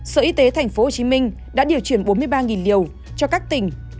sở y tế tp hcm đã điều chuyển bốn mươi ba liều cho các tỉnh